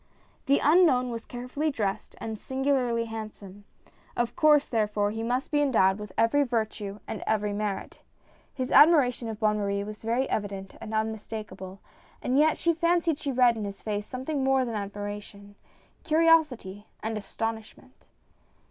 The unknown was carefully dressed and singularly handsome; of course therefore, he must be endowed with every virtue and every merit. His admiration of Bonne Marie was very evident and unmistakable, and yet she fancied she read in his face something more than admiration, curiosity and astonishment.